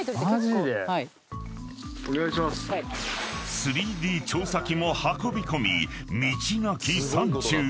［３Ｄ調査機も運び込み道なき山中へ］